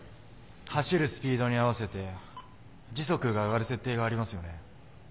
走るスピードに合わせて時速が上がる設定がありますよね。